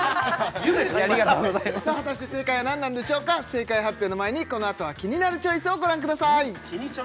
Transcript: ありがとうございますさあ果たして正解は何なんでしょうか正解発表の前にこのあとは「キニナルチョイス」をご覧ください